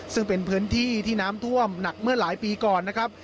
ซึ่งเป็นพื้นที่ที่น้ำท่วมหนักเมื่อหลายปีก่อนนะครับ